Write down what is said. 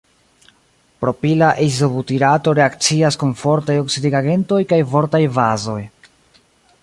Propila izobutirato reakcias kun fortaj oksidigagentoj kaj fortaj bazoj.